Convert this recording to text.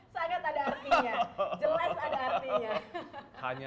sangat ada artinya jelas ada artinya